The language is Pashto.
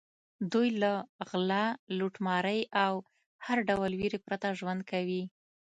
دوی له غلا، لوټمارۍ او هر ډول وېرې پرته ژوند کوي.